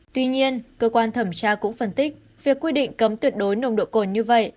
tuy nhiên cơ quan thẩm tra cũng phân tích việc quy định cấm tuyệt đối nồng độ cồn như vậy